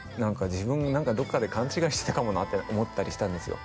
自分何かどっかで勘違いしてたかもなって思ったりしたんですよ